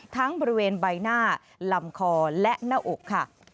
บริเวณใบหน้าลำคอและหน้าอกค่ะ